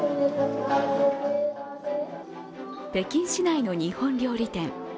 北京市内の日本料理店。